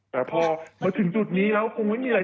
แต่พอมาถึงจุดนี้แล้วคงไม่มีอะไร